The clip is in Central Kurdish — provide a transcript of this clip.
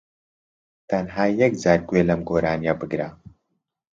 تەنھا یەکجار گوێ لەم گۆرانیە بگرە